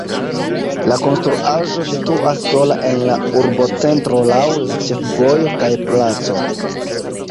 La konstruaĵo situas sola en la urbocentro laŭ la ĉefvojo kaj placo.